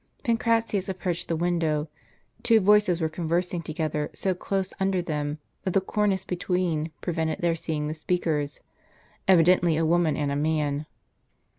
Pancratius approached the window ; two voices were con versing together so close under them that the cornice between prevented their seeing the speakers, evidently a woman and a man.